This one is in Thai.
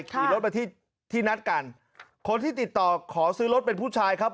ขี่รถมาที่ที่นัดกันคนที่ติดต่อขอซื้อรถเป็นผู้ชายครับ